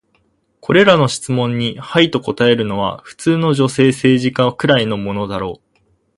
これらの質問に「はい」と答えるのは、普通の女性政治家くらいのものだろう。